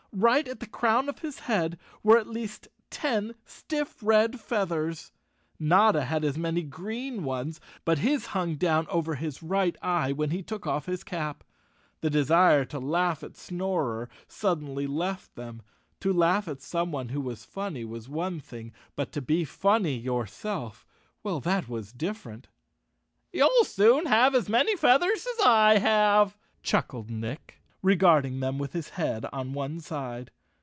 Right at the crown of his head were at least ten stiff red feathers. Notta had as 163 The Cowardly Lion of Oz many green ones, but his hung down over his right eye when he took off his cap. The desire to laugh at Snorer suddenly left them. To laugh at someone who was funny was one thing, but to be funny yourself— well, that was different! "You'll soon have as many feathers as I have," chuckled Nick, regarding them with his head on one side.